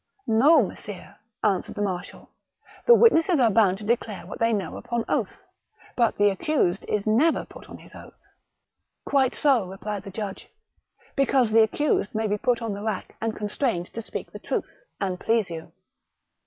" No, messire !" answered the marshal. " The witnesses are bound to declare what they know upon oath, but the accused is never put on his oath.'' " Quite so," rephed the judge. '* Because the accused may be put on the rack and constrained to speak the truth, an' please you."